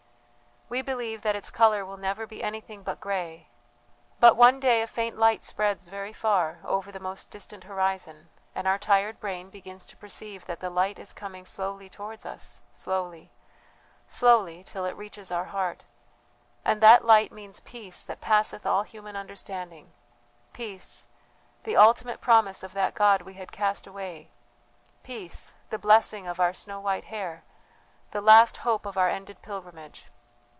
"We believe that its colour will never be anything but grey; but one day a faint light spreads very far over the most distant horizon and our tired brain begins to perceive that that light is coming slowly towards us, slowly slowly till it reaches our heart ... and that light means peace that passeth all human understanding; peace, the ultimate promise of that God we had cast away; peace, the blessing of our snow white hair, the last hope of our ended pilgrimage.